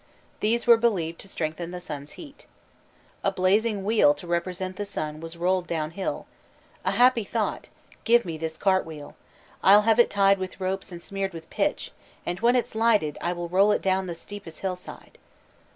These were believed to strengthen the sun's heat. A blazing wheel to represent the sun was rolled down hill. "A happy thought. Give me this cart wheel. I'll have it tied with ropes and smeared with pitch, And when it's lighted, I will roll it down The steepest hillside."